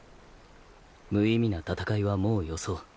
無意味な戦いはもうよそう。